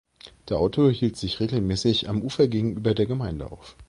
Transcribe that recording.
Der Autor hielt sich regelmäßig am Ufer gegenüber der Gemeinde auf.